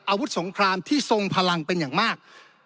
อาวุธสงครามที่ทรงพลังเป็นอย่างมาก